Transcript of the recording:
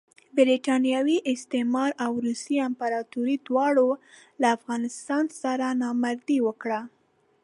برټانوي استعمار او روسي امپراطوري دواړو له افغانستان سره نامردي وکړه.